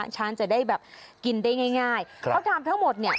ช้างจะได้แบบกินได้ง่ายเขาทำทั้งหมดเนี่ย